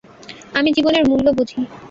আমি জীবনের মূল্য বুঝি।